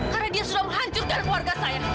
karena dia sudah menghancurkan keluarga saya